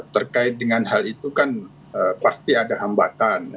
terkait dengan hal itu kan pasti ada hambatan